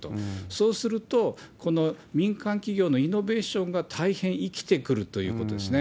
そうすると、この民間企業のイノベーションが大変生きてくるということですね。